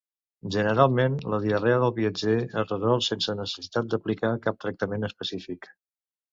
Generalment, la diarrea del viatger es resol sense necessitat d'aplicar cap tractament específic.